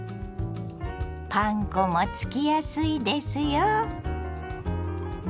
パン粉もつきやすいですよ。